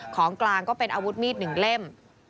ของกลางก็เป็นอาวุธมีด๑เล่ม